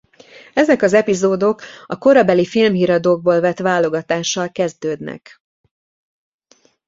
Ezek az epizódok a korabeli filmhíradókból vett válogatással kezdődnek.